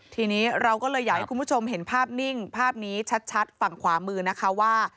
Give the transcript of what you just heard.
ทีนี้เราก็เลยอยากให้คุณผู้ชมเห็นภาพนิ่งภาพนี้ชัดฝั่งขวามือนะคะว่า